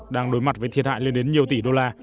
đang đối mặt với thiệt hại lên đến nhiều tỷ đô la